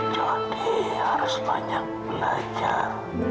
jody harus banyak belajar